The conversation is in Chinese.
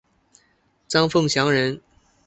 张凤翙人。